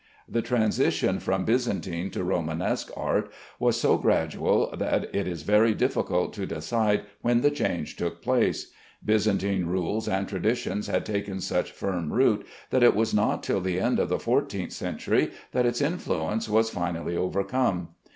The transition from Byzantine to Romanesque art was so gradual that it is very difficult to decide when the change took place. Byzantine rules and traditions had taken such firm root, that it was not till the end of the fourteenth century that its influence was finally overcome.